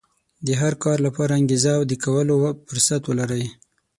د هر کار لپاره انګېزه او د کولو فرصت ولرئ.